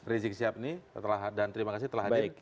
rizik syafni dan terima kasih telah hadir